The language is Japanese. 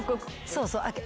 そうそう。